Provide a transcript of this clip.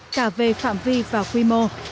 cả về phạm vi và quy mô